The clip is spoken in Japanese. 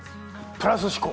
プラス思考！